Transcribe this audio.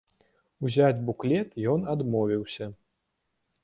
Узяць буклет ён адмовіўся.